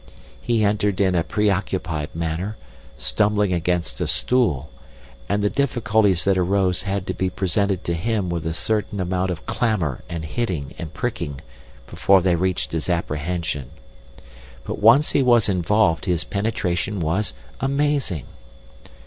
He entered in a preoccupied manner, stumbling against a stool, and the difficulties that arose had to be presented to him with a certain amount of clamour and hitting and pricking before they reached his apprehension. But once he was involved his penetration was amazing.